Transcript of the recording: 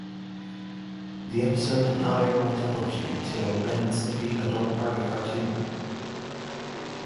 The episode did not air on television until "Ren and Stimpy "Adult Party Cartoon".